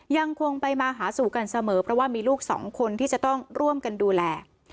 ยังคงไปมาหาสู่กันเสมอเพราะว่ามีลูกสองคนที่จะต้องร่วมกันดูแล